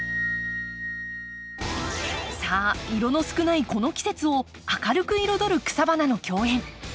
さあ色の少ないこの季節を明るく彩る草花の競演。